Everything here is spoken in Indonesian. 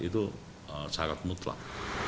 itu syarat mutlak